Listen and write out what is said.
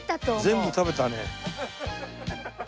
全部食べたね。